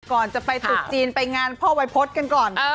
ก่อนจะไปดูจีนไปงานพ่อไวพฤศกันก่อน